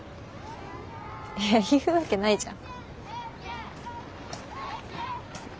言うわけないじゃん。